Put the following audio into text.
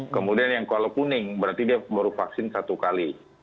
kemudian yang kalau kuning berarti dia baru vaksin satu kali